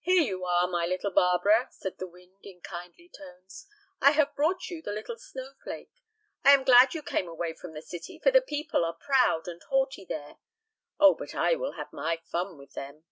"Here you are, my little Barbara," said the wind, in kindly tones. "I have brought you the little snowflake. I am glad you came away from the city, for the people are proud and haughty there; oh, but I will have my fun with them!"